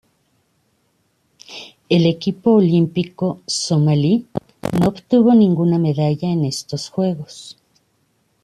El equipo olímpico somalí no obtuvo ninguna medalla en estos Juegos.